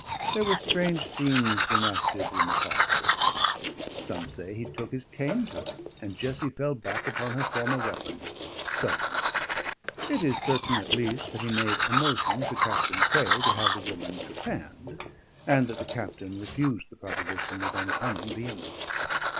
There were strange scenes enacted in the policies. Some say he took his cane to her, and Jessie fell back upon her former weapons stones. It is certain at least that he made a motion to Captain Crail to have the woman trepanned, and that the Captain refused the proposition with uncommon vehemence.